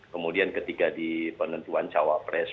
kemudian ketika di penentuan cawapres